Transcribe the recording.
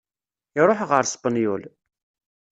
Iṛuḥ ɣer Spenyul.